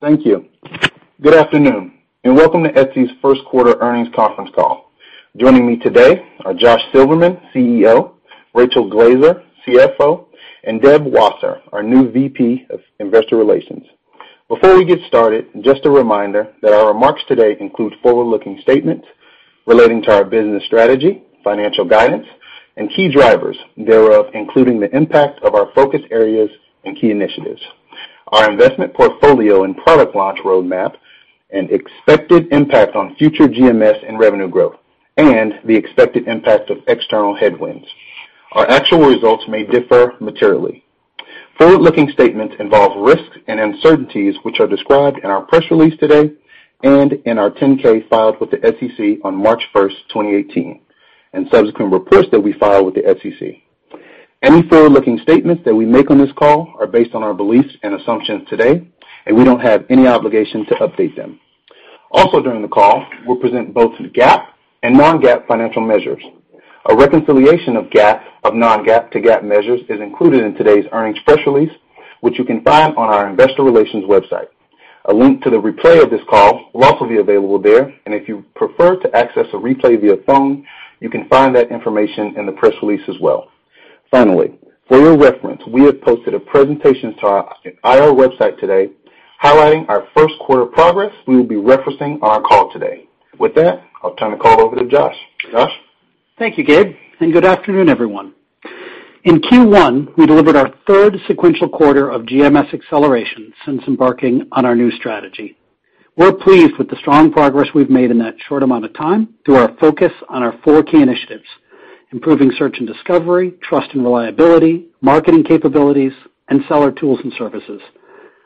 Thank you. Good afternoon, and welcome to Etsy's first quarter earnings conference call. Joining me today are Josh Silverman, CEO, Rachel Glaser, CFO, and Deb Wasser, our new VP of Investor Relations. Before we get started, just a reminder that our remarks today include forward-looking statements relating to our business strategy, financial guidance, and key drivers thereof, including the impact of our focus areas and key initiatives, our investment portfolio and product launch roadmap, and expected impact on future GMS and revenue growth, and the expected impact of external headwinds. Our actual results may differ materially. Forward-looking statements involve risks and uncertainties which are described in our press release today and in our 10-K filed with the SEC on March 1st, 2018, and subsequent reports that we file with the SEC. Any forward-looking statements that we make on this call are based on our beliefs and assumptions today, and we don't have any obligation to update them. Also during the call, we'll present both GAAP and non-GAAP financial measures. A reconciliation of non-GAAP to GAAP measures is included in today's earnings press release, which you can find on our investor relations website. A link to the replay of this call will also be available there, and if you prefer to access a replay via phone, you can find that information in the press release as well. Finally, for your reference, we have posted a presentation to our IR website today highlighting our first quarter progress we will be referencing on our call today. With that, I'll turn the call over to Josh. Josh? Thank you, Gabe, and good afternoon, everyone. In Q1, we delivered our third sequential quarter of GMS acceleration since embarking on our new strategy. We're pleased with the strong progress we've made in that short amount of time through our focus on our four key initiatives: improving search and discovery, trust and reliability, marketing capabilities, and seller tools and services.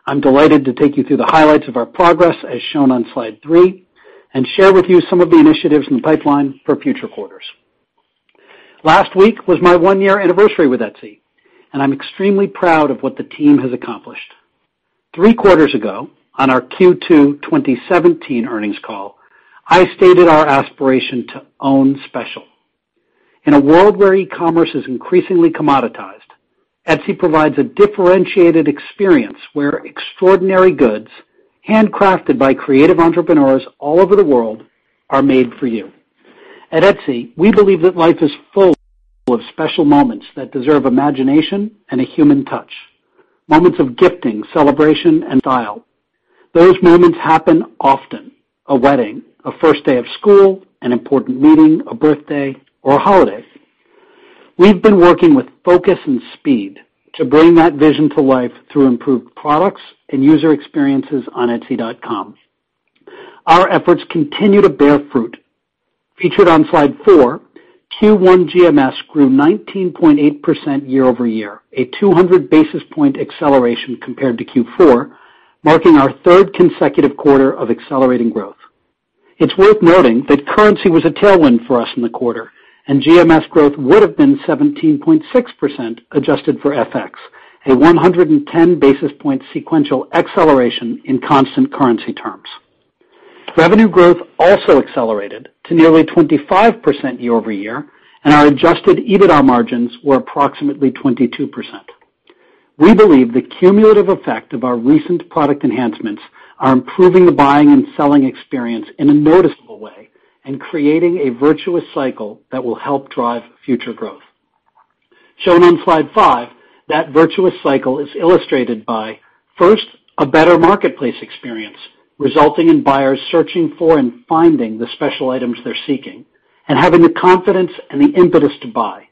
I'm delighted to take you through the highlights of our progress as shown on slide three, and share with you some of the initiatives in the pipeline for future quarters. Last week was my one-year anniversary with Etsy, and I'm extremely proud of what the team has accomplished. Three quarters ago, on our Q2 2017 earnings call, I stated our aspiration to own special. In a world where e-commerce is increasingly commoditized, Etsy provides a differentiated experience where extraordinary goods handcrafted by creative entrepreneurs all over the world are made for you. At Etsy, we believe that life is full of special moments that deserve imagination and a human touch. Moments of gifting, celebration, and style. Those moments happen often. A wedding, a first day of school, an important meeting, a birthday, or a holiday. We've been working with focus and speed to bring that vision to life through improved products and user experiences on etsy.com. Our efforts continue to bear fruit. Featured on slide four, Q1 GMS grew 19.8% year-over-year, a 200 basis point acceleration compared to Q4, marking our third consecutive quarter of accelerating growth. It's worth noting that currency was a tailwind for us in the quarter. GMS growth would've been 17.6% adjusted for FX, a 110 basis point sequential acceleration in constant currency terms. Revenue growth also accelerated to nearly 25% year-over-year. Our adjusted EBITDA margins were approximately 22%. We believe the cumulative effect of our recent product enhancements are improving the buying and selling experience in a noticeable way and creating a virtuous cycle that will help drive future growth. Shown on slide five, that virtuous cycle is illustrated by, first, a better marketplace experience, resulting in buyers searching for and finding the special items they're seeking and having the confidence and the impetus to buy.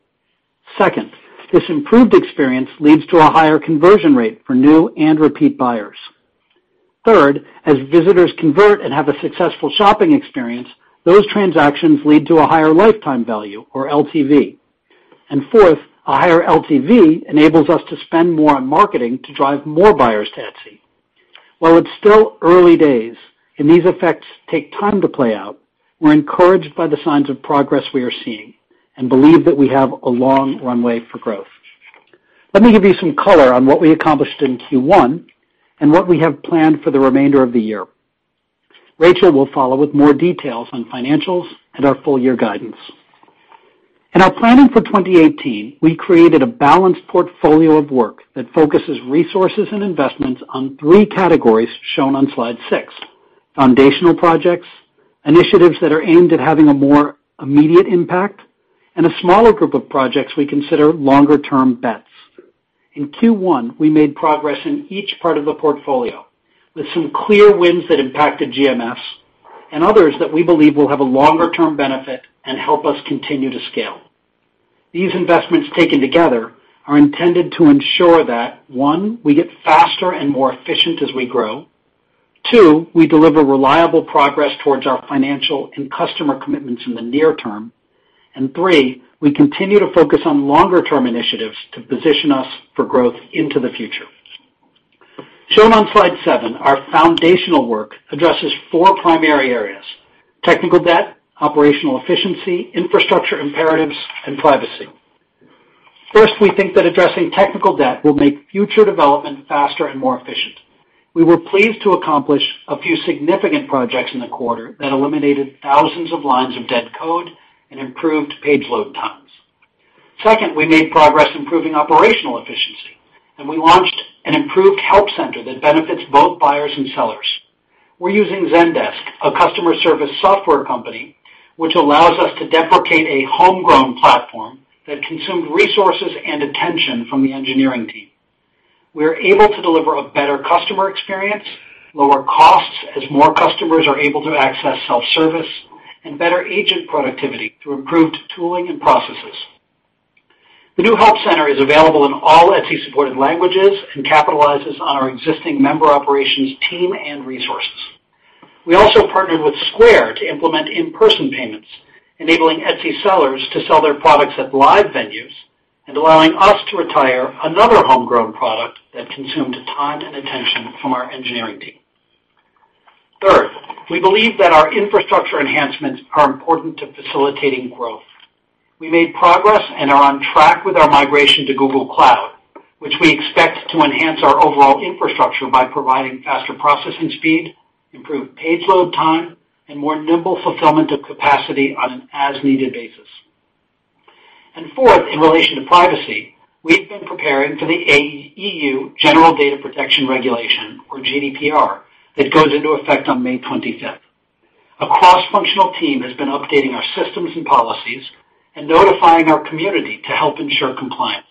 Second, this improved experience leads to a higher conversion rate for new and repeat buyers. Third, as visitors convert and have a successful shopping experience, those transactions lead to a higher lifetime value or LTV. Fourth, a higher LTV enables us to spend more on marketing to drive more buyers to Etsy. While it's still early days, and these effects take time to play out, we're encouraged by the signs of progress we are seeing and believe that we have a long runway for growth. Let me give you some color on what we accomplished in Q1 and what we have planned for the remainder of the year. Rachel will follow with more details on financials and our full year guidance. In our planning for 2018, we created a balanced portfolio of work that focuses resources and investments on 3 categories shown on slide six: foundational projects, initiatives that are aimed at having a more immediate impact, and a smaller group of projects we consider longer term bets. In Q1, we made progress in each part of the portfolio with some clear wins that impacted GMS and others that we believe will have a longer term benefit and help us continue to scale. These investments taken together are intended to ensure that, one, we get faster and more efficient as we grow. Two, we deliver reliable progress towards our financial and customer commitments in the near term. Three, we continue to focus on longer term initiatives to position us for growth into the future. Shown on slide seven, our foundational work addresses four primary areas: technical debt, operational efficiency, infrastructure imperatives, and privacy. First, we think that addressing technical debt will make future development faster and more efficient. We were pleased to accomplish a few significant projects in the quarter that eliminated thousands of lines of dead code and improved page load times. Second, we made progress improving operational efficiency. We launched an improved help center that benefits both buyers and sellers. We're using Zendesk, a customer service software company, which allows us to deprecate a homegrown platform that consumed resources and attention from the engineering team. We are able to deliver a better customer experience, lower costs as more customers are able to access self-service, and better agent productivity through improved tooling and processes. The new help center is available in all Etsy supported languages and capitalizes on our existing member operations team and resources. We also partnered with Square to implement in-person payments, enabling Etsy sellers to sell their products at live venues and allowing us to retire another homegrown product that consumed time and attention from our engineering team. Third, we believe that our infrastructure enhancements are important to facilitating growth. We made progress and are on track with our migration to Google Cloud, which we expect to enhance our overall infrastructure by providing faster processing speed, improved page load time, and more nimble fulfillment of capacity on an as-needed basis. Fourth, in relation to privacy, we've been preparing for the EU General Data Protection Regulation, or GDPR, that goes into effect on May 25th. A cross-functional team has been updating our systems and policies and notifying our community to help ensure compliance.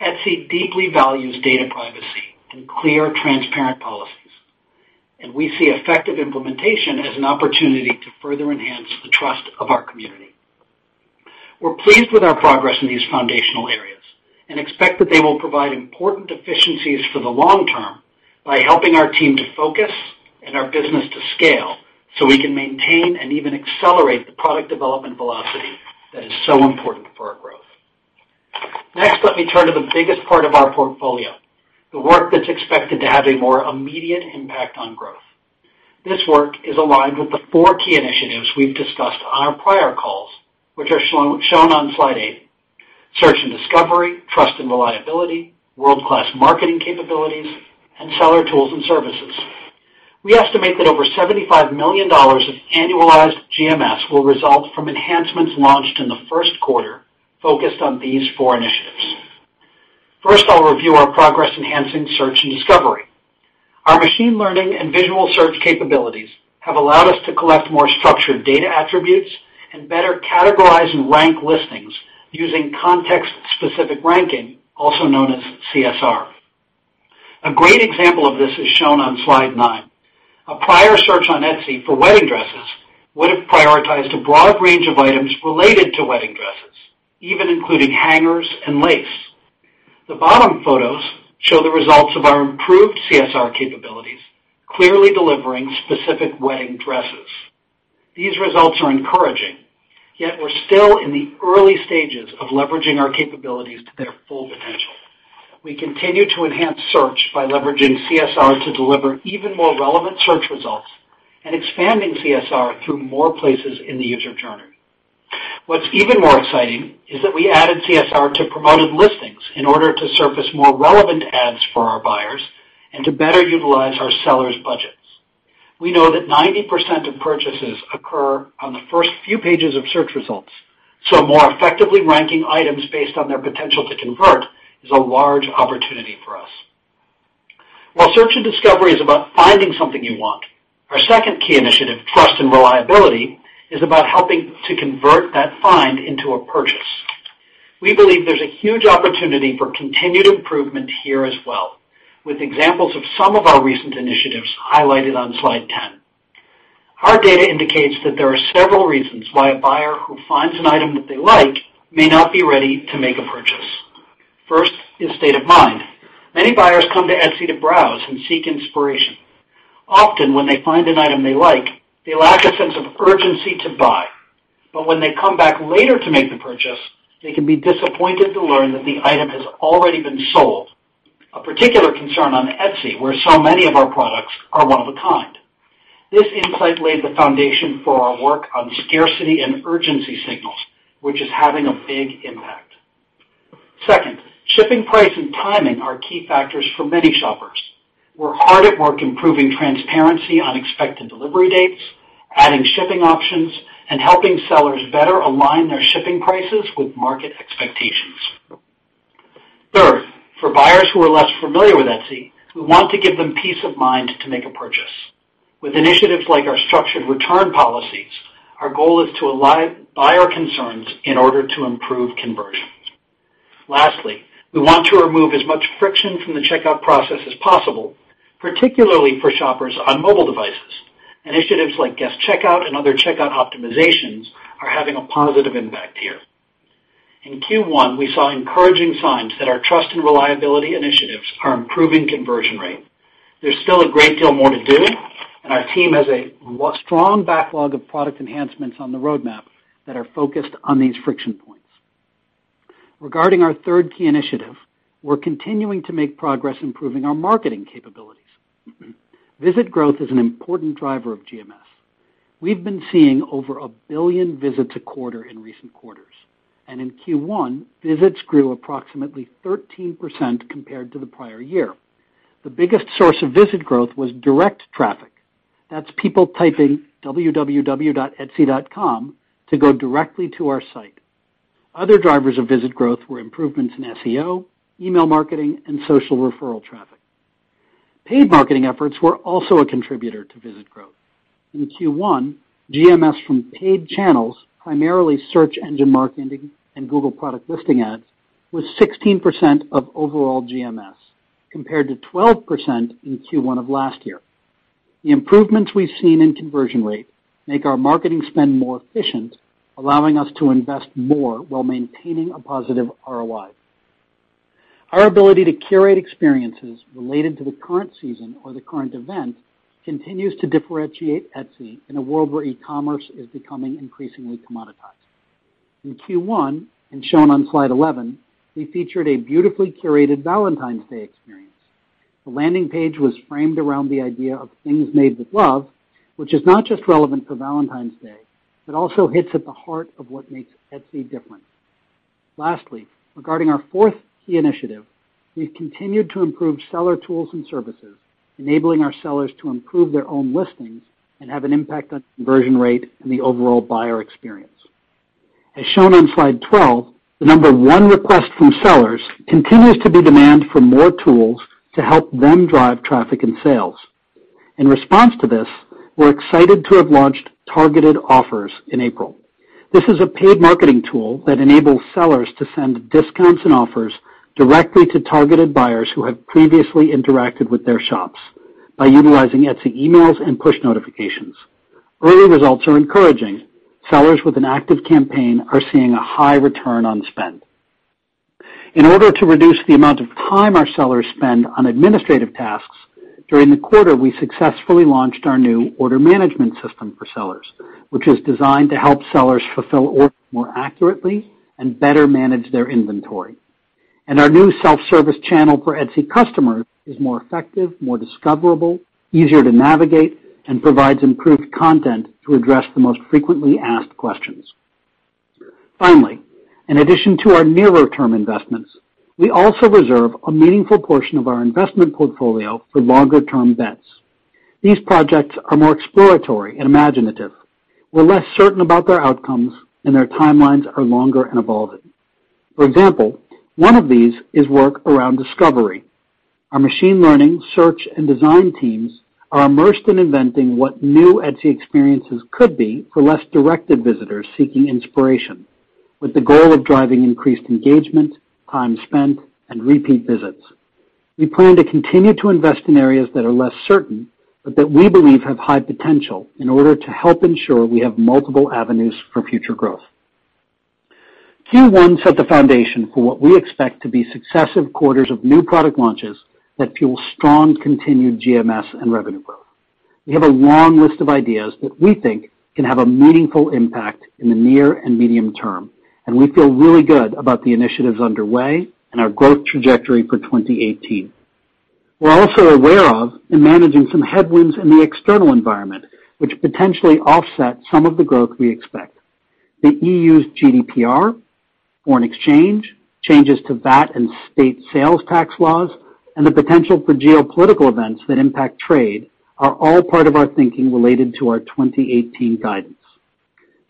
Etsy deeply values data privacy and clear, transparent policies, and we see effective implementation as an opportunity to further enhance the trust of our community. We're pleased with our progress in these foundational areas and expect that they will provide important efficiencies for the long term by helping our team to focus and our business to scale so we can maintain and even accelerate the product development velocity that is so important for our growth. Next, let me turn to the biggest part of our portfolio, the work that's expected to have a more immediate impact on growth. This work is aligned with the four key initiatives we've discussed on our prior calls, which are shown on slide eight. Search and discovery, trust and reliability, world-class marketing capabilities, and seller tools and services. We estimate that over $75 million of annualized GMS will result from enhancements launched in the first quarter focused on these four initiatives. First, I'll review our progress enhancing search and discovery. Our machine learning and visual search capabilities have allowed us to collect more structured data attributes and better categorize and rank listings using context-specific ranking, also known as CSR. A great example of this is shown on slide nine. A prior search on Etsy for wedding dresses would have prioritized a broad range of items related to wedding dresses, even including hangers and lace. The bottom photos show the results of our improved CSR capabilities, clearly delivering specific wedding dresses. These results are encouraging, yet we're still in the early stages of leveraging our capabilities to their full potential. We continue to enhance search by leveraging CSR to deliver even more relevant search results and expanding CSR through more places in the user journey. What's even more exciting is that we added CSR to Promoted Listings in order to surface more relevant ads for our buyers and to better utilize our sellers' budgets. We know that 90% of purchases occur on the first few pages of search results, so more effectively ranking items based on their potential to convert is a large opportunity for us. While search and discovery is about finding something you want, our second key initiative, trust and reliability, is about helping to convert that find into a purchase. We believe there's a huge opportunity for continued improvement here as well, with examples of some of our recent initiatives highlighted on slide 10. Our data indicates that there are several reasons why a buyer who finds an item that they like may not be ready to make a purchase. First is state of mind. Many buyers come to Etsy to browse and seek inspiration. Often, when they find an item they like, they lack a sense of urgency to buy. But when they come back later to make the purchase, they can be disappointed to learn that the item has already been sold. A particular concern on Etsy, where so many of our products are one of a kind. This insight laid the foundation for our work on scarcity and urgency signals, which is having a big impact. Second, shipping price and timing are key factors for many shoppers. We're hard at work improving transparency on expected delivery dates, adding shipping options, and helping sellers better align their shipping prices with market expectations. Third, for buyers who are less familiar with Etsy, we want to give them peace of mind to make a purchase. With initiatives like our structured return policies, our goal is to allay buyer concerns in order to improve conversions. Lastly, we want to remove as much friction from the checkout process as possible, particularly for shoppers on mobile devices. Initiatives like guest checkout and other checkout optimizations are having a positive impact here. In Q1, we saw encouraging signs that our trust and reliability initiatives are improving conversion rate. There's still a great deal more to do, and our team has a strong backlog of product enhancements on the roadmap that are focused on these friction points. Regarding our third key initiative, we're continuing to make progress improving our marketing capabilities. Visit growth is an important driver of GMS. We've been seeing over 1 billion visits a quarter in recent quarters, and in Q1, visits grew approximately 13% compared to the prior year. The biggest source of visit growth was direct traffic. That's people typing www.etsy.com to go directly to our site. Other drivers of visit growth were improvements in SEO, email marketing, and social referral traffic. Paid marketing efforts were also a contributor to visit growth. In Q1, GMS from paid channels, primarily search engine marketing and Google product listing ads, was 16% of overall GMS, compared to 12% in Q1 of last year. The improvements we've seen in conversion rate make our marketing spend more efficient, allowing us to invest more while maintaining a positive ROI. Our ability to curate experiences related to the current season or the current event continues to differentiate Etsy in a world where e-commerce is becoming increasingly commoditized. In Q1, and shown on slide 11, we featured a beautifully curated Valentine's Day experience. The landing page was framed around the idea of things made with love, which is not just relevant for Valentine's Day, but also hits at the heart of what makes Etsy different. Lastly, regarding our fourth key initiative, we've continued to improve seller tools and services, enabling our sellers to improve their own listings and have an impact on conversion rate and the overall buyer experience. As shown on slide 12, the number one request from sellers continues to be demand for more tools to help them drive traffic and sales. In response to this, we're excited to have launched Targeted Offers in April. This is a paid marketing tool that enables sellers to send discounts and offers directly to targeted buyers who have previously interacted with their shops by utilizing Etsy emails and push notifications. Early results are encouraging. Sellers with an active campaign are seeing a high return on spend. In order to reduce the amount of time our sellers spend on administrative tasks, during the quarter, we successfully launched our new order management system for sellers, which is designed to help sellers fulfill orders more accurately and better manage their inventory. Our new self-service channel for Etsy customers is more effective, more discoverable, easier to navigate, and provides improved content to address the most frequently asked questions. Finally, in addition to our nearer term investments, we also reserve a meaningful portion of our investment portfolio for longer term bets. These projects are more exploratory and imaginative. We're less certain about their outcomes, and their timelines are longer and evolving. For example, one of these is work around discovery. Our machine learning, search, and design teams are immersed in inventing what new Etsy experiences could be for less directed visitors seeking inspiration, with the goal of driving increased engagement, time spent, and repeat visits. We plan to continue to invest in areas that are less certain, but that we believe have high potential in order to help ensure we have multiple avenues for future growth. Q1 set the foundation for what we expect to be successive quarters of new product launches that fuel strong continued GMS and revenue growth. We have a long list of ideas that we think can have a meaningful impact in the near and medium term, and we feel really good about the initiatives underway and our growth trajectory for 2018. We're also aware of and managing some headwinds in the external environment, which potentially offset some of the growth we expect. The EU's GDPR, foreign exchange, changes to VAT and state sales tax laws, and the potential for geopolitical events that impact trade are all part of our thinking related to our 2018 guidance.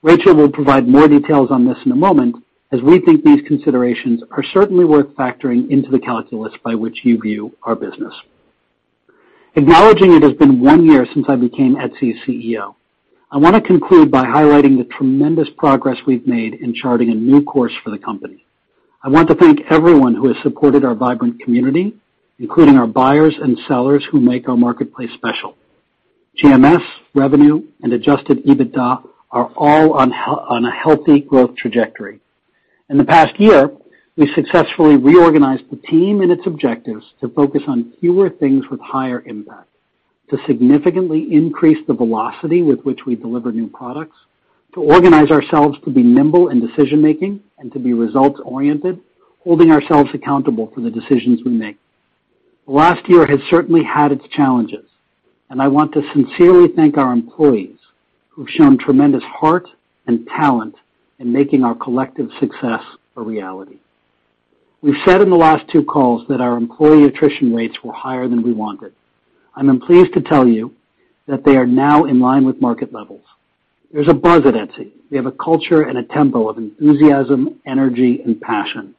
Rachel will provide more details on this in a moment, as we think these considerations are certainly worth factoring into the calculus by which you view our business. Acknowledging it has been one year since I became Etsy's CEO, I want to conclude by highlighting the tremendous progress we've made in charting a new course for the company. I want to thank everyone who has supported our vibrant community, including our buyers and sellers who make our marketplace special. GMS, revenue, and adjusted EBITDA are all on a healthy growth trajectory. In the past year, we successfully reorganized the team and its objectives to focus on fewer things with higher impact, to significantly increase the velocity with which we deliver new products, to organize ourselves to be nimble in decision-making and to be results oriented, holding ourselves accountable for the decisions we make. The last year has certainly had its challenges, and I want to sincerely thank our employees, who've shown tremendous heart and talent in making our collective success a reality. We've said in the last two calls that our employee attrition rates were higher than we wanted. I'm pleased to tell you that they are now in line with market levels. There's a buzz at Etsy. We have a culture and a tempo of enthusiasm, energy, and passion.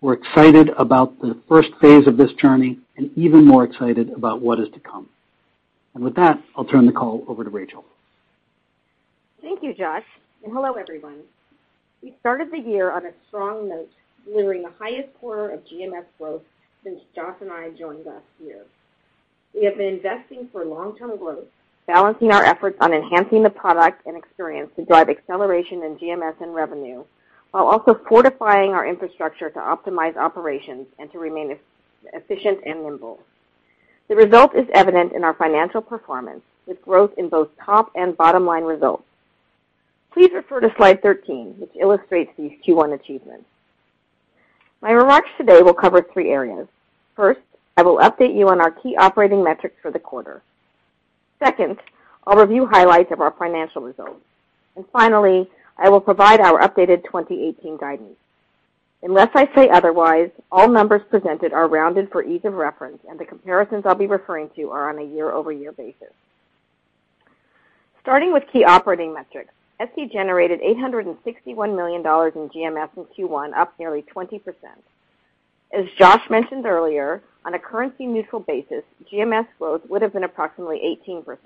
We're excited about the first phase of this journey and even more excited about what is to come. With that, I'll turn the call over to Rachel. Thank you, Josh, hello, everyone. We started the year on a strong note, delivering the highest quarter of GMS growth since Josh and I joined last year. We have been investing for long-term growth, balancing our efforts on enhancing the product and experience to drive acceleration in GMS and revenue, while also fortifying our infrastructure to optimize operations and to remain efficient and nimble. The result is evident in our financial performance, with growth in both top and bottom line results. Please refer to slide 13, which illustrates these Q1 achievements. My remarks today will cover three areas. First, I will update you on our key operating metrics for the quarter. Second, I'll review highlights of our financial results. Finally, I will provide our updated 2018 guidance. Unless I say otherwise, all numbers presented are rounded for ease of reference, the comparisons I'll be referring to are on a year-over-year basis. Starting with key operating metrics, Etsy generated $861 million in GMS in Q1, up nearly 20%. As Josh mentioned earlier, on a currency-neutral basis, GMS growth would have been approximately 18%.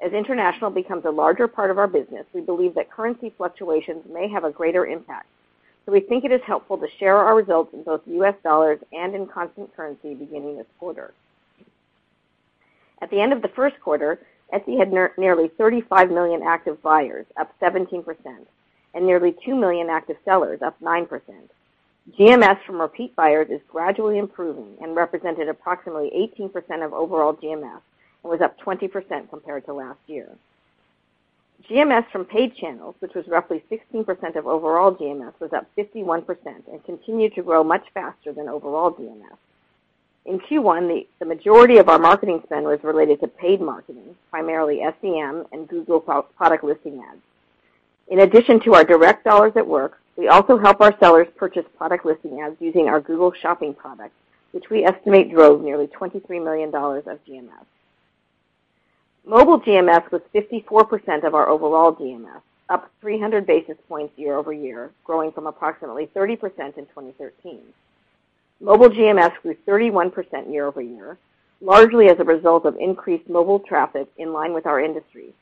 As international becomes a larger part of our business, we believe that currency fluctuations may have a greater impact. We think it is helpful to share our results in both US dollars and in constant currency beginning this quarter. At the end of the first quarter, Etsy had nearly 35 million active buyers, up 17%, and nearly two million active sellers, up 9%. GMS from repeat buyers is gradually improving and represented approximately 18% of overall GMS and was up 20% compared to last year. GMS from paid channels, which was roughly 16% of overall GMS, was up 51% and continued to grow much faster than overall GMS. In Q1, the majority of our marketing spend was related to paid marketing, primarily SEM and Google product listing ads. In addition to our direct dollars at work, we also help our sellers purchase product listing ads using our Google Shopping product, which we estimate drove nearly $23 million of GMS. Mobile GMS was 54% of our overall GMS, up 300 basis points year-over-year, growing from approximately 30% in 2013. Mobile GMS grew 31% year-over-year, largely as a result of increased mobile traffic in line with our industry.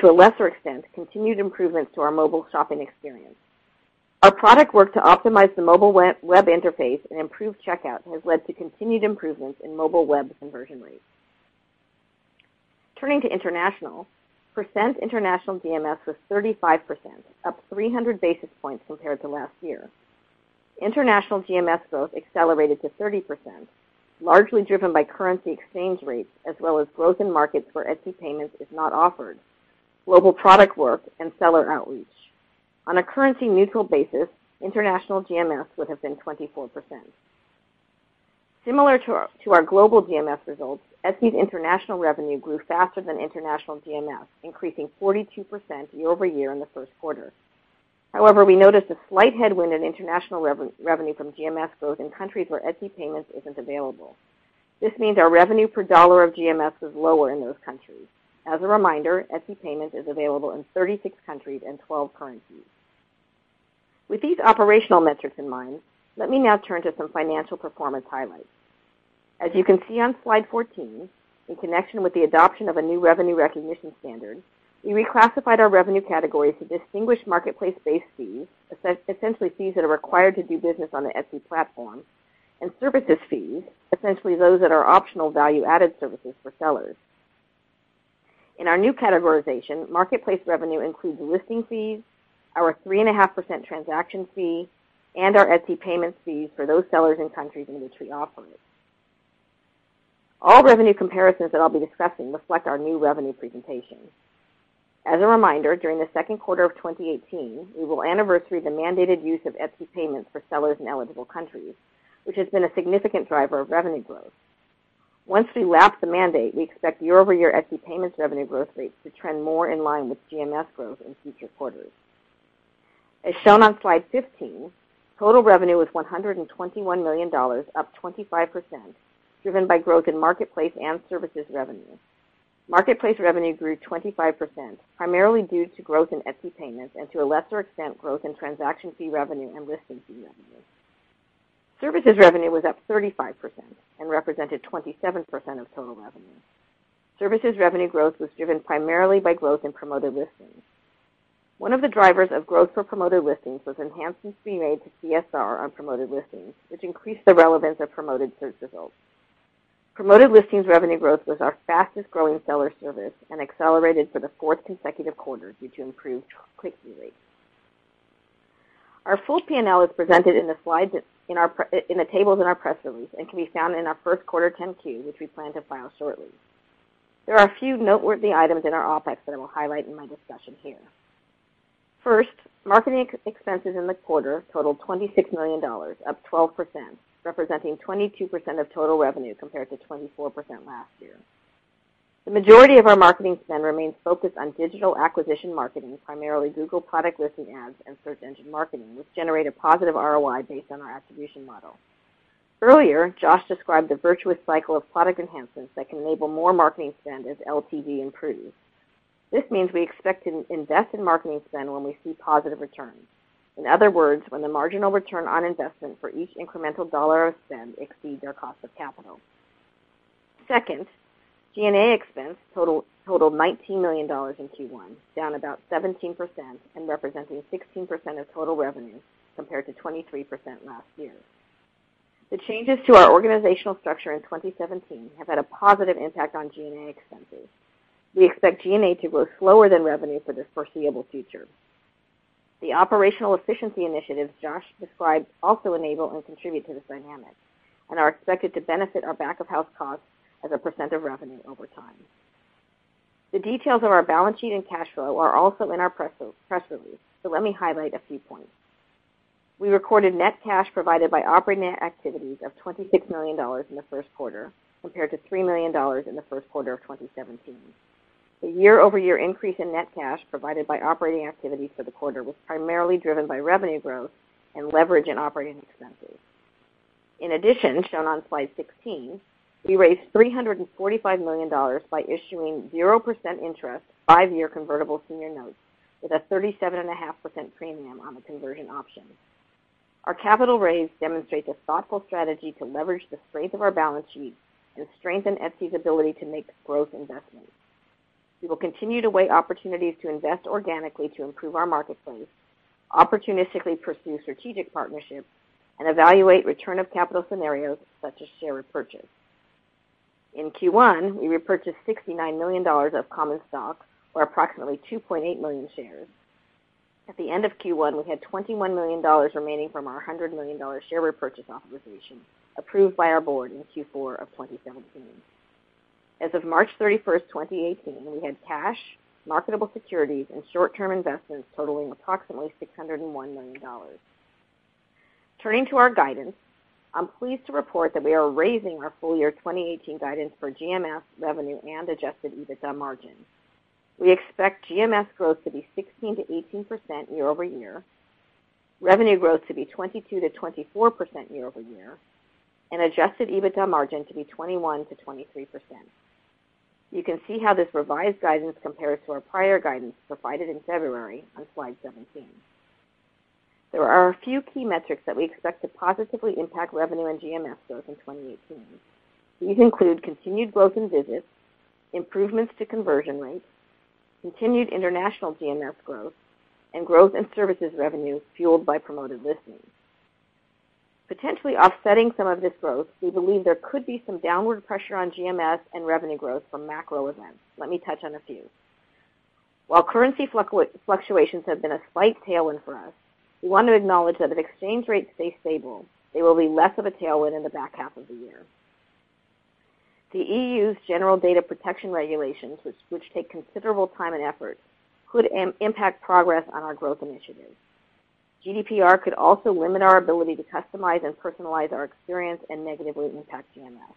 To a lesser extent, continued improvements to our mobile shopping experience. Our product work to optimize the mobile web interface and improve checkout has led to continued improvements in mobile web conversion rates. Turning to international GMS was 35%, up 300 basis points compared to last year. International GMS growth accelerated to 30%, largely driven by currency exchange rates as well as growth in markets where Etsy Payments is not offered, global product work, and seller outreach. On a currency-neutral basis, international GMS would have been 24%. Similar to our global GMS results, Etsy's international revenue grew faster than international GMS, increasing 42% year-over-year in the first quarter. However, we noticed a slight headwind in international revenue from GMS growth in countries where Etsy Payments isn't available. This means our revenue per dollar of GMS is lower in those countries. As a reminder, Etsy Payments is available in 36 countries and 12 currencies. With these operational metrics in mind, let me now turn to some financial performance highlights. As you can see on slide 14, in connection with the adoption of a new revenue recognition standard, we reclassified our revenue categories to distinguish marketplace-based fees, essentially fees that are required to do business on the Etsy platform, and services fees, essentially those that are optional value-added services for sellers. In our new categorization, marketplace revenue includes listing fees, our 3.5% transaction fee, and our Etsy Payments fees for those sellers in countries in which we operate. All revenue comparisons that I'll be discussing reflect our new revenue presentation. As a reminder, during the second quarter of 2018, we will anniversary the mandated use of Etsy Payments for sellers in eligible countries, which has been a significant driver of revenue growth. Once we lap the mandate, we expect year-over-year Etsy Payments revenue growth rates to trend more in line with GMS growth in future quarters. As shown on slide 15, total revenue was $121 million, up 25%, driven by growth in marketplace and services revenue. Marketplace revenue grew 25%, primarily due to growth in Etsy Payments and, to a lesser extent, growth in transaction fee revenue and listing fee revenue. Services revenue was up 35% and represented 27% of total revenue. Services revenue growth was driven primarily by growth in Promoted Listings. One of the drivers of growth for Promoted Listings was enhancements we made to CSR on Promoted Listings, which increased the relevance of promoted search results. Promoted Listings revenue growth was our fastest-growing seller service and accelerated for the fourth consecutive quarter due to improved click-through rates. Our full P&L is presented in the tables in our press release and can be found in our first quarter 10-Q, which we plan to file shortly. There are a few noteworthy items in our OpEx that I will highlight in my discussion here. First, marketing expenses in the quarter totaled $26 million, up 12%, representing 22% of total revenue compared to 24% last year. The majority of our marketing spend remains focused on digital acquisition marketing, primarily Google product listing ads and search engine marketing, which generate a positive ROI based on our attribution model. Earlier, Josh described the virtuous cycle of product enhancements that can enable more marketing spend as LTV improves. This means we expect to invest in marketing spend when we see positive returns. In other words, when the marginal return on investment for each incremental dollar of spend exceeds our cost of capital. Second, G&A expense totaled $19 million in Q1, down about 17% and representing 16% of total revenue compared to 23% last year. The changes to our organizational structure in 2017 have had a positive impact on G&A expenses. We expect G&A to grow slower than revenue for the foreseeable future. The operational efficiency initiatives Josh described also enable and contribute to this dynamic and are expected to benefit our back-of-house costs as a % of revenue over time. The details of our balance sheet and cash flow are also in our press release, so let me highlight a few points. We recorded net cash provided by operating activities of $26 million in the first quarter, compared to $3 million in the first quarter of 2017. The year-over-year increase in net cash provided by operating activities for the quarter was primarily driven by revenue growth and leverage in operating expenses. Shown on slide 16, we raised $345 million by issuing 0% interest, five-year convertible senior notes with a 37.5% premium on the conversion option. Our capital raise demonstrates a thoughtful strategy to leverage the strength of our balance sheet and strengthen Etsy's ability to make growth investments. We will continue to weigh opportunities to invest organically to improve our marketplace, opportunistically pursue strategic partnerships, and evaluate return of capital scenarios such as share repurchase. In Q1, we repurchased $69 million of common stock or approximately 2.8 million shares. At the end of Q1, we had $21 million remaining from our $100 million share repurchase authorization approved by our board in Q4 of 2017. As of March 31st, 2018, we had cash, marketable securities, and short-term investments totaling approximately $601 million. Turning to our guidance, I'm pleased to report that we are raising our full year 2018 guidance for GMS, revenue, and adjusted EBITDA margins. We expect GMS growth to be 16%-18% year-over-year, revenue growth to be 22%-24% year-over-year, and adjusted EBITDA margin to be 21%-23%. You can see how this revised guidance compares to our prior guidance provided in February on slide 17. There are a few key metrics that we expect to positively impact revenue and GMS growth in 2018. These include continued growth in visits, improvements to conversion rates, continued international GMS growth, and growth in services revenue fueled by Promoted Listings. Potentially offsetting some of this growth, we believe there could be some downward pressure on GMS and revenue growth from macro events. Let me touch on a few. Currency fluctuations have been a slight tailwind for us, we want to acknowledge that if exchange rates stay stable, they will be less of a tailwind in the back half of the year. The EU's General Data Protection Regulations, which take considerable time and effort, could impact progress on our growth initiatives. GDPR could also limit our ability to customize and personalize our experience and negatively impact GMS.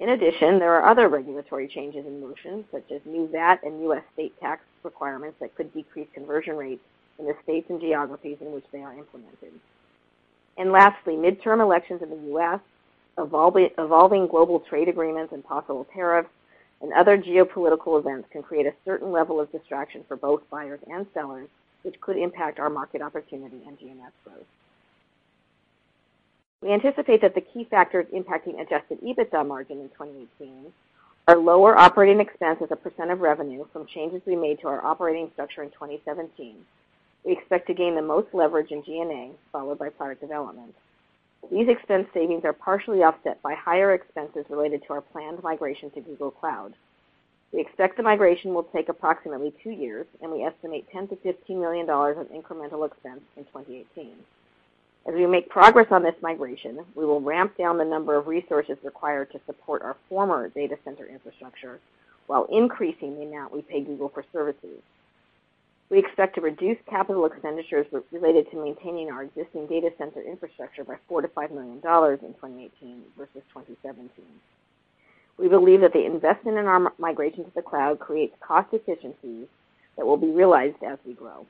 In addition, there are other regulatory changes in motion, such as new VAT and U.S. state tax requirements that could decrease conversion rates in the states and geographies in which they are implemented. Lastly, midterm elections in the U.S., evolving global trade agreements and possible tariffs, and other geopolitical events can create a certain level of distraction for both buyers and sellers, which could impact our market opportunity and GMS growth. We anticipate that the key factors impacting adjusted EBITDA margin in 2018 are lower operating expense as a % of revenue from changes we made to our operating structure in 2017. We expect to gain the most leverage in G&A, followed by product development. These expense savings are partially offset by higher expenses related to our planned migration to Google Cloud. We expect the migration will take approximately two years, and we estimate $10 million-$15 million of incremental expense in 2018. As we make progress on this migration, we will ramp down the number of resources required to support our former data center infrastructure while increasing the amount we pay Google for services. We expect to reduce capital expenditures related to maintaining our existing data center infrastructure by $4 million-$5 million in 2018 versus 2017. We believe that the investment in our migration to the cloud creates cost efficiencies that will be realized as we grow.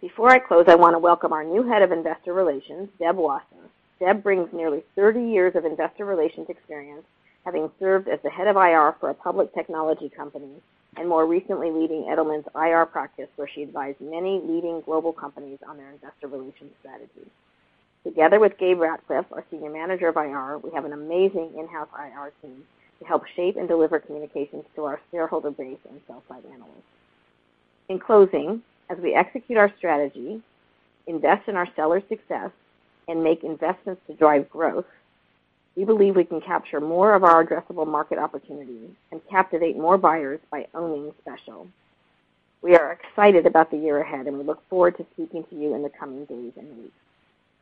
Before I close, I want to welcome our new Head of Investor Relations, Deb Wasser. Deb brings nearly 30 years of investor relations experience, having served as the head of IR for a public technology company, and more recently leading Edelman's IR practice, where she advised many leading global companies on their investor relations strategy. Together with Gabe Ratcliff, our Senior Manager of IR, we have an amazing in-house IR team to help shape and deliver communications to our shareholder base and sell-side analysts. In closing, as we execute our strategy, invest in our sellers' success, and make investments to drive growth, we believe we can capture more of our addressable market opportunity and captivate more buyers by owning special. We are excited about the year ahead, and we look forward to speaking to you in the coming days and weeks.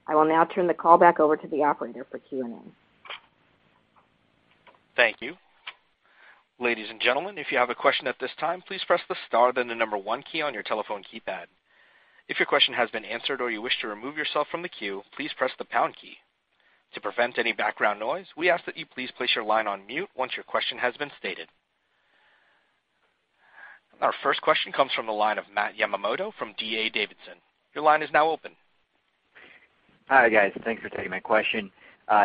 I will now turn the call back over to the operator for Q&A. Thank you. Ladies and gentlemen, if you have a question at this time, please press the star, then the number one key on your telephone keypad. If your question has been answered or you wish to remove yourself from the queue, please press the pound key. To prevent any background noise, we ask that you please place your line on mute once your question has been stated. Our first question comes from the line of Matt Yamamoto from D.A. Davidson. Your line is now open. Hi, guys. Thanks for taking my question.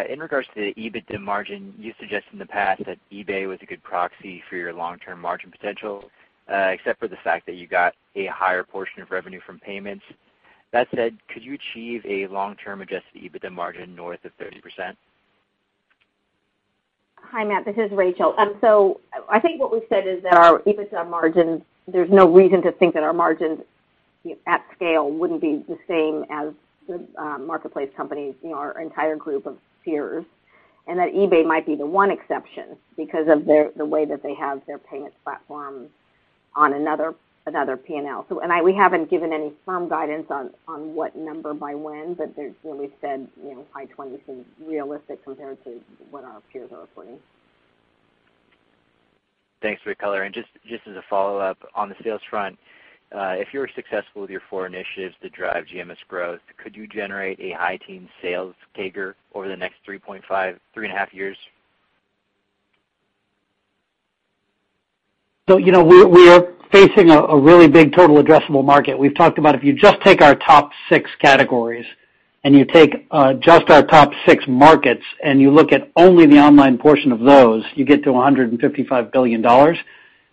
In regards to the EBITDA margin, you suggested in the past that eBay was a good proxy for your long-term margin potential, except for the fact that you got a higher portion of revenue from payments. That said, could you achieve a long-term adjusted EBITDA margin north of 30%? Hi, Matt. This is Rachel. I think what we've said is that our EBITDA margin, there's no reason to think that our margin at scale wouldn't be the same as the marketplace companies, our entire group of peers, and that eBay might be the one exception because of the way that they have their payments platform on another P&L. We haven't given any firm guidance on what number by when, but we've said high 20s is realistic compared to what our peers are reporting. Thanks, Rachel. Just as a follow-up, on the sales front, if you're successful with your four initiatives to drive GMS growth, could you generate a high teen sales CAGR over the next three and a half years? We are facing a really big total addressable market. We've talked about if you just take our top six categories and you take just our top six markets, and you look at only the online portion of those, you get to $155 billion,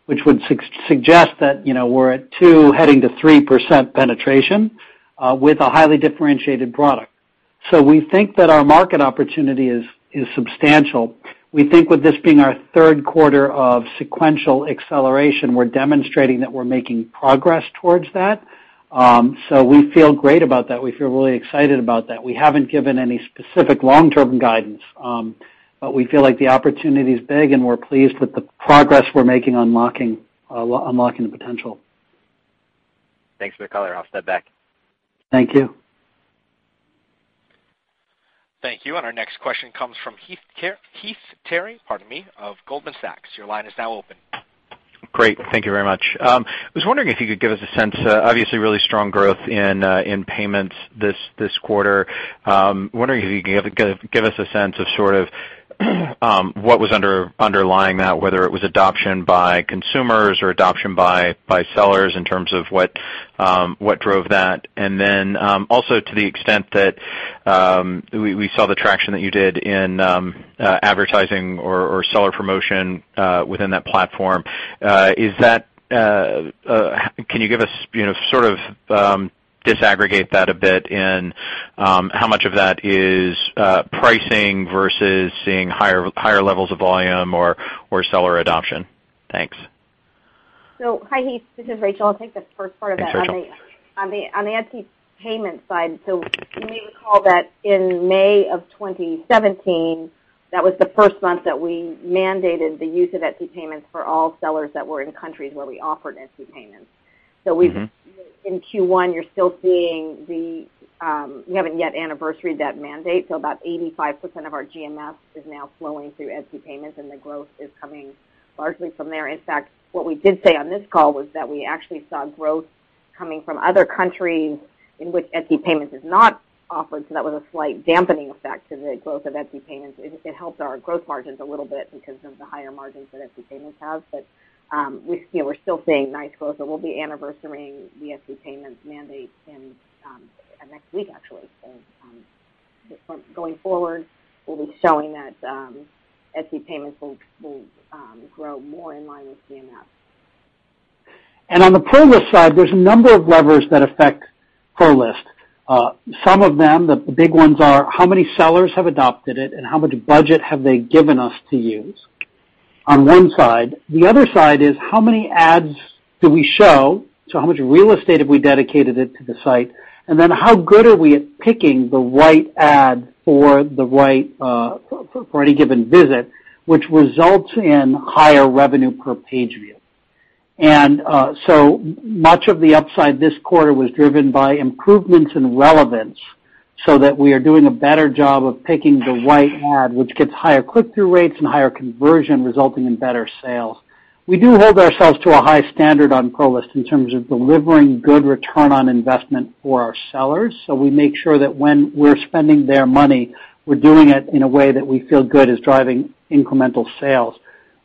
which would suggest that we're at 2% heading to 3% penetration with a highly differentiated product. We think that our market opportunity is substantial. We think with this being our third quarter of sequential acceleration, we're demonstrating that we're making progress towards that. We feel great about that. We feel really excited about that. We haven't given any specific long-term guidance, but we feel like the opportunity is big, and we're pleased with the progress we're making unlocking the potential. Thanks for the color. I'll step back. Thank you. Thank you. Our next question comes from Heath Terry of Goldman Sachs. Your line is now open. Great. Thank you very much. I was wondering if you could give us a sense, obviously really strong growth in payments this quarter. I'm wondering if you could give us a sense of sort of what was underlying that, whether it was adoption by consumers or adoption by sellers in terms of what drove that. Then also to the extent that we saw the traction that you did in advertising or seller promotion within that platform, can you give us sort of disaggregate that a bit in how much of that is pricing versus seeing higher levels of volume or seller adoption? Thanks. Hi, Heath. This is Rachel. I'll take the first part of that. Sure. On the Etsy Payments side, so you may recall that in May of 2017, that was the first month that we mandated the use of Etsy Payments for all sellers that were in countries where we offered Etsy Payments. In Q1, we haven't yet anniversaried that mandate, so about 85% of our GMS is now flowing through Etsy Payments, and the growth is coming largely from there. In fact, what we did say on this call was that we actually saw growth coming from other countries in which Etsy Payments is not offered, so that was a slight dampening effect to the growth of Etsy Payments. It helped our growth margins a little bit because of the higher margins that Etsy Payments have. We're still seeing nice growth, so we'll be anniversarying the Etsy Payments mandate in next week, actually. Going forward, we'll be showing that Etsy Payments will grow more in line with GMS. On the Promoted Listings side, there's a number of levers that affect Promoted Listings. Some of them, the big ones are how many sellers have adopted it, and how much budget have they given us to use, on one side. The other side is how many ads do we show, so how much real estate have we dedicated it to the site, and then how good are we at picking the right ad for any given visit, which results in higher revenue per page view. So much of the upside this quarter was driven by improvements in relevance, so that we are doing a better job of picking the right ad, which gets higher click-through rates and higher conversion, resulting in better sales. We do hold ourselves to a high standard on Promoted Listings in terms of delivering good return on investment for our sellers. We make sure that when we're spending their money, we're doing it in a way that we feel good is driving incremental sales.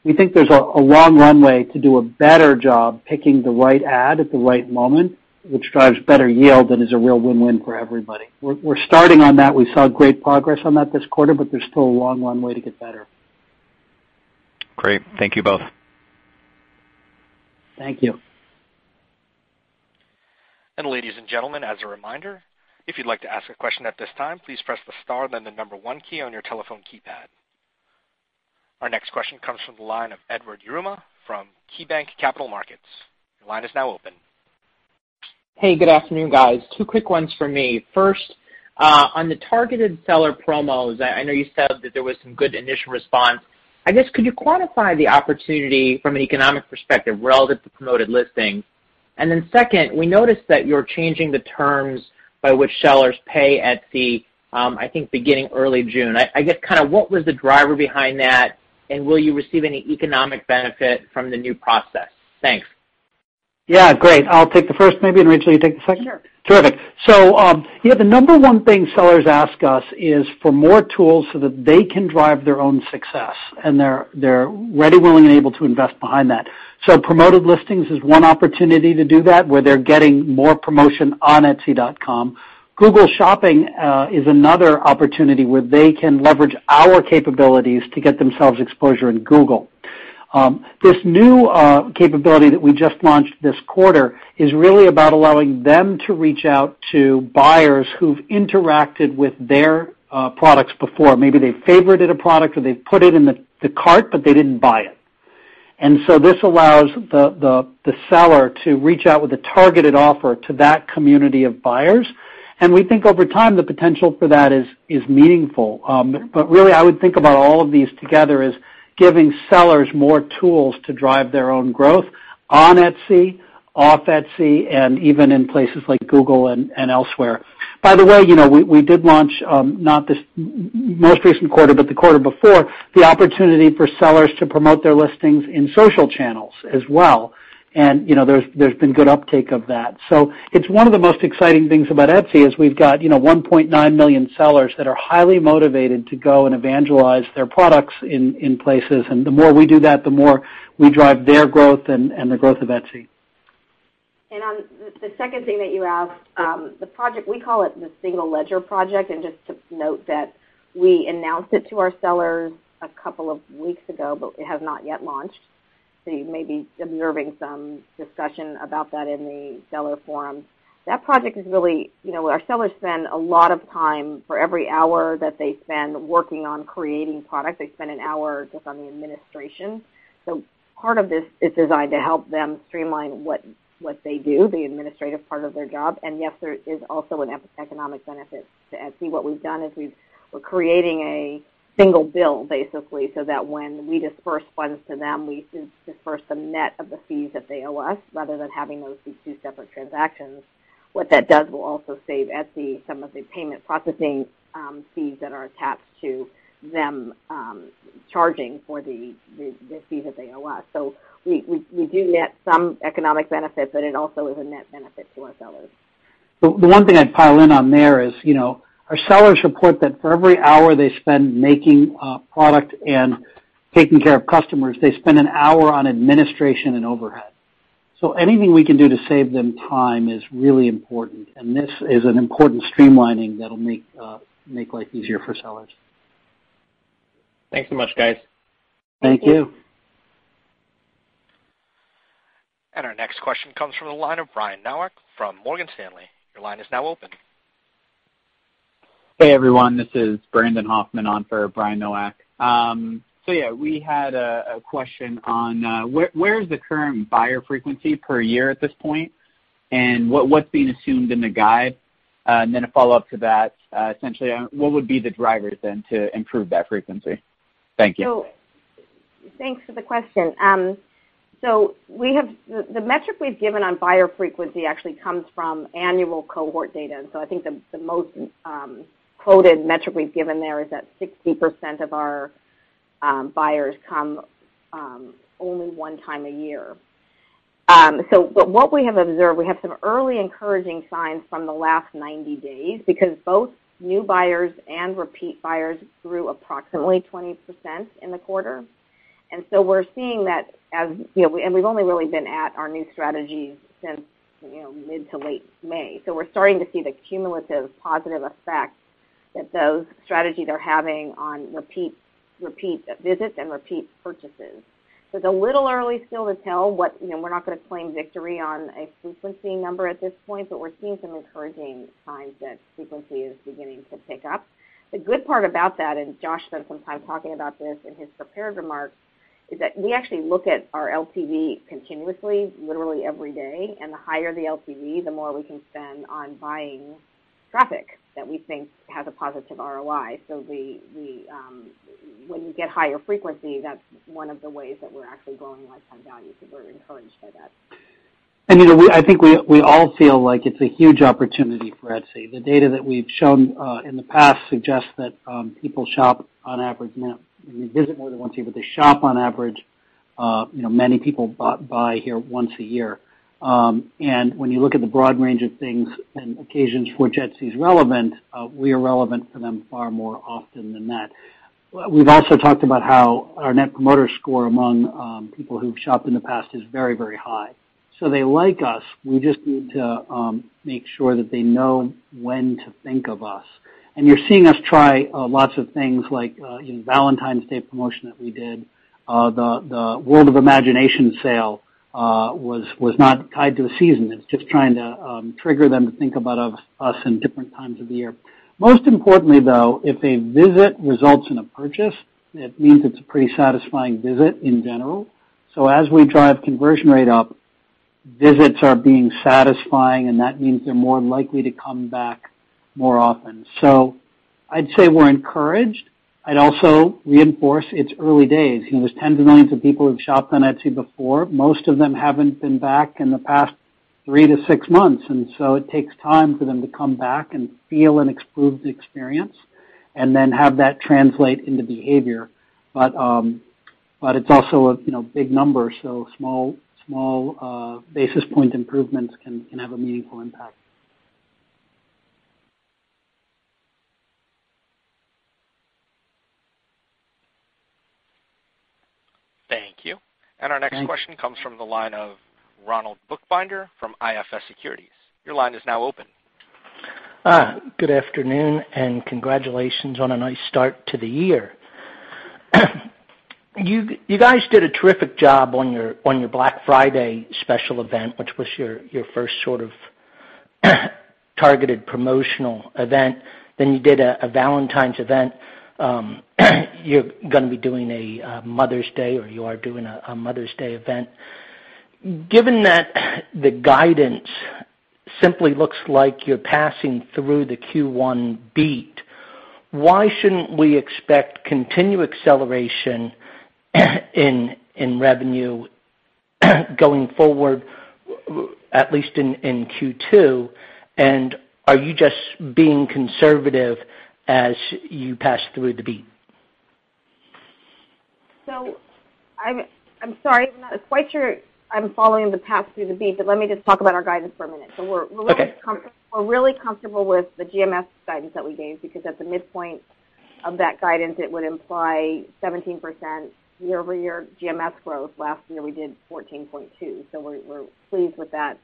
We think there's a long runway to do a better job picking the right ad at the right moment, which drives better yield and is a real win-win for everybody. We're starting on that. We saw great progress on that this quarter, but there's still a long runway to get better. Great. Thank you both. Thank you. Ladies and gentlemen, as a reminder, if you'd like to ask a question at this time, please press the star, then the 1 key on your telephone keypad. Our next question comes from the line of Edward Yruma from KeyBanc Capital Markets. Your line is now open. Hey, good afternoon, guys. Two quick ones from me. First, on the targeted seller promos, I know you said that there was some good initial response. I guess, could you quantify the opportunity from an economic perspective relative to Promoted Listings? Second, we noticed that you're changing the terms by which sellers pay Etsy, I think beginning early June. I guess kind of what was the driver behind that, and will you receive any economic benefit from the new process? Thanks. Yeah. Great. I'll take the first maybe, and Rachel, you take the second? Sure. Terrific. Yeah, the number one thing sellers ask us is for more tools so that they can drive their own success, and they're ready, willing, and able to invest behind that. Promoted Listings is one opportunity to do that, where they're getting more promotion on etsy.com. Google Shopping is another opportunity where they can leverage our capabilities to get themselves exposure in Google. This new capability that we just launched this quarter is really about allowing them to reach out to buyers who've interacted with their products before. Maybe they favorited a product or they've put it in the cart, but they didn't buy it. This allows the seller to reach out with a Targeted Offer to that community of buyers. We think over time, the potential for that is meaningful. Really, I would think about all of these together as giving sellers more tools to drive their own growth on Etsy, off Etsy, and even in places like Google and elsewhere. By the way, we did launch, not this most recent quarter, but the quarter before, the opportunity for sellers to promote their listings in social channels as well. There's been good uptake of that. It's one of the most exciting things about Etsy is we've got 1.9 million sellers that are highly motivated to go and evangelize their products in places. The more we do that, the more we drive their growth and the growth of Etsy. On the second thing that you asked, the project, we call it the single ledger project. Just to note that we announced it to our sellers a couple of weeks ago, but we have not yet launched. You may be observing some discussion about that in the seller forum. That project is really, our sellers spend a lot of time, for every hour that they spend working on creating product, they spend an hour just on the administration. Part of this is designed to help them streamline what they do, the administrative part of their job. Yes, there is also an economic benefit to Etsy. What we've done is we're creating a single bill, basically, so that when we disperse funds to them, we disperse the net of the fees that they owe us, rather than having those be two separate transactions. What that does will also save Etsy some of the payment processing fees that are attached to them charging for the fee that they owe us. We do net some economic benefit, but it also is a net benefit to our sellers. The one thing I'd pile in on there is, our sellers report that for every hour they spend making a product and taking care of customers, they spend an hour on administration and overhead. Anything we can do to save them time is really important, and this is an important streamlining that'll make life easier for sellers. Thanks so much, guys. Thank you. Our next question comes from the line of Brian Nowak from Morgan Stanley. Your line is now open. Hey, everyone. This is Brandon Hoffman on for Brian Nowak. Yeah, we had a question on where is the current buyer frequency per year at this point, and what's being assumed in the guide? Then a follow-up to that, essentially, what would be the drivers then to improve that frequency? Thank you. Thanks for the question. The metric we've given on buyer frequency actually comes from annual cohort data. I think the most quoted metric we've given there is that 60% of our buyers come only one time a year. What we have observed, we have some early encouraging signs from the last 90 days because both new buyers and repeat buyers grew approximately 20% in the quarter. We've only really been at our new strategy since mid to late May. We're starting to see the cumulative positive effect that those strategies are having on repeat visits and repeat purchases. It's a little early still to tell. We're not going to claim victory on a frequency number at this point, but we're seeing some encouraging signs that frequency is beginning to pick up. The good part about that, and Josh spent some time talking about this in his prepared remarks, is that we actually look at our LTV continuously, literally every day, and the higher the LTV, the more we can spend on buying traffic that we think has a positive ROI. When you get higher frequency, that's one of the ways that we're actually growing lifetime value. We're encouraged by that. I think we all feel like it's a huge opportunity for Etsy. The data that we've shown in the past suggests that people shop on average, now, they visit more than once a year, but they shop on average, many people buy here once a year. When you look at the broad range of things and occasions for which Etsy's relevant, we are relevant for them far more often than that. We've also talked about how our net promoter score among people who've shopped in the past is very high. They like us. We just need to make sure that they know when to think of us. You're seeing us try lots of things like in Valentine's Day promotion that we did. The World of Imagination sale was not tied to a season. It's just trying to trigger them to think about us in different times of the year. Most importantly, though, if a visit results in a purchase, it means it's a pretty satisfying visit in general. As we drive conversion rate up, visits are being satisfying, and that means they're more likely to come back more often. I'd say we're encouraged. I'd also reinforce it's early days. There's tens of millions of people who've shopped on Etsy before. Most of them haven't been back in the past three to six months, it takes time for them to come back and feel an improved experience and then have that translate into behavior. It's also a big number, so small basis point improvements can have a meaningful impact. Thank you. Thank you. Our next question comes from the line of Ronald Bookbinder from IFS Securities. Your line is now open. Good afternoon, congratulations on a nice start to the year. You guys did a terrific job on your Black Friday special event, which was your first sort of targeted promotional event. Then you did a Valentine's event. You're going to be doing a Mother's Day, or you are doing a Mother's Day event. Given that the guidance simply looks like you're passing through the Q1 beat, why shouldn't we expect continued acceleration in revenue going forward, at least in Q2? Are you just being conservative as you pass through the beat? I'm sorry. I'm not quite sure I'm following the pass through the beat, let me just talk about our guidance for a minute. Okay. We're really comfortable with the GMS guidance that we gave, because at the midpoint of that guidance, it would imply 17% year-over-year GMS growth. Last year, we did 14.2. We're pleased with that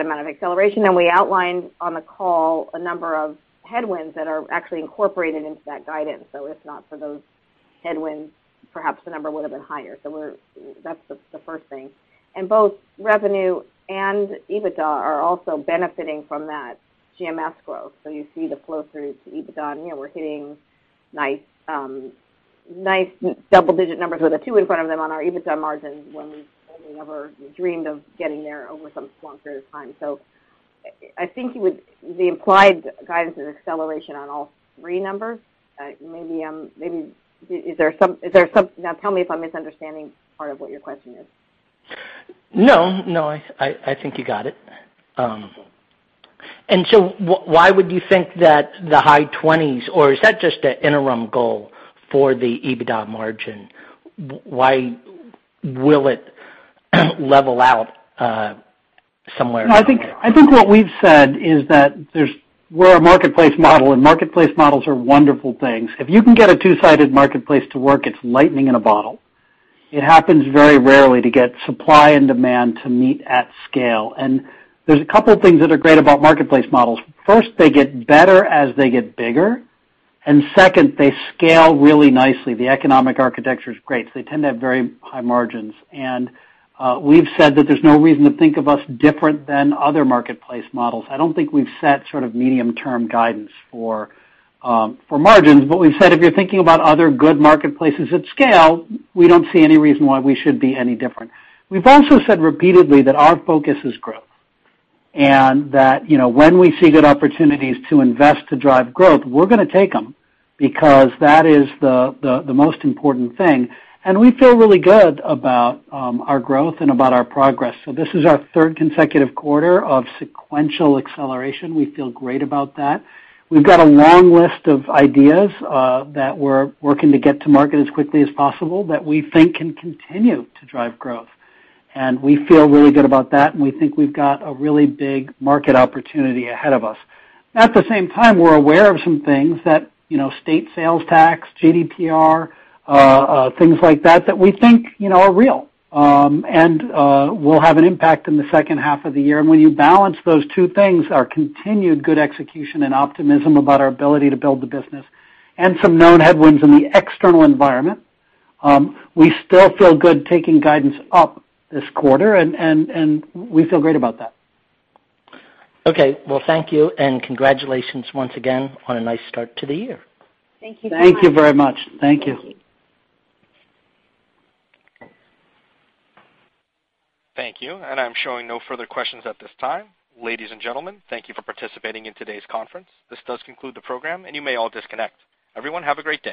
amount of acceleration. We outlined on the call a number of headwinds that are actually incorporated into that guidance. If not for those headwinds, perhaps the number would've been higher. That's the first thing. Both revenue and EBITDA are also benefiting from that GMS growth. You see the flow through to EBITDA, and we're hitting nice double-digit numbers with a two in front of them on our EBITDA margins when we only ever dreamed of getting there over some long period of time. I think with the implied guidance and acceleration on all three numbers, tell me if I'm misunderstanding part of what your question is. No, I think you got it. Why would you think that the high 20s, or is that just an interim goal for the EBITDA margin? Why will it level out somewhere- No, I think what we've said is that we're a marketplace model. Marketplace models are wonderful things. If you can get a two-sided marketplace to work, it's lightning in a bottle. It happens very rarely to get supply and demand to meet at scale. There's a couple things that are great about marketplace models. First, they get better as they get bigger. Second, they scale really nicely. The economic architecture's great. They tend to have very high margins. We've said that there's no reason to think of us different than other marketplace models. I don't think we've set sort of medium-term guidance for margins. We've said if you're thinking about other good marketplaces at scale, we don't see any reason why we should be any different. We've also said repeatedly that our focus is growth, that when we see good opportunities to invest to drive growth, we're going to take them because that is the most important thing. We feel really good about our growth and about our progress. This is our third consecutive quarter of sequential acceleration. We feel great about that. We've got a long list of ideas that we're working to get to market as quickly as possible that we think can continue to drive growth. We feel really good about that, and we think we've got a really big market opportunity ahead of us. At the same time, we're aware of some things that, state sales tax, GDPR, things like that we think are real, and will have an impact in the second half of the year. When you balance those two things, our continued good execution and optimism about our ability to build the business and some known headwinds in the external environment, we still feel good taking guidance up this quarter, and we feel great about that. Okay. Well, thank you, and congratulations once again on a nice start to the year. Thank you very much. Thank you very much. Thank you. Thank you. Thank you. I'm showing no further questions at this time. Ladies and gentlemen, thank you for participating in today's conference. This does conclude the program, and you may all disconnect. Everyone, have a great day.